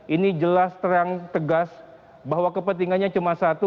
ini jelas terang tegas bahwa kepentingannya cuma satu